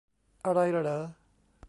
อะไรเหรอ